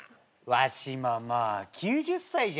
わしももう９０歳じゃ。